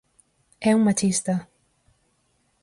É un machista.